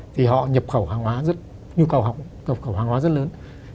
thì họ nhập khẩu hàng hóa rất lớn